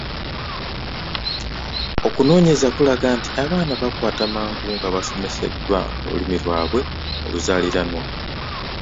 Okunoonyereza kulaga nti abaana bakwata mangu nga basomeseddwa mu lulimi lwabwe oluzaaliranwa.